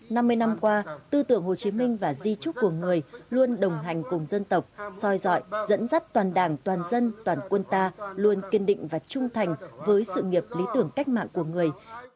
năm mươi năm qua tư tưởng hồ chí minh và di trúc của người luôn đồng hành cùng dân tộc soi dọi dẫn dắt toàn đảng toàn dân toàn quân ta luôn kiên định và trung thành với sự nghiệp lý tưởng cách mạng của người